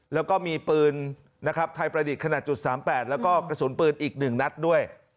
แล้วก็มีปืนนะครับไทยประดิษฐ์ขนาด๓๘แล้วก็กระสุนปืนอีก๑นัดด้วย